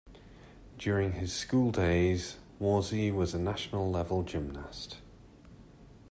During his school days, Warsi was a national level gymnast.